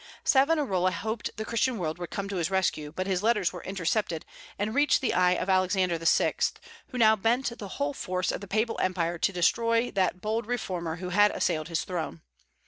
Savonarola hoped the Christian world would come to his rescue; but his letters were intercepted, and reached the eye of Alexander VI., who now bent the whole force of the papal empire to destroy that bold reformer who had assailed his throne.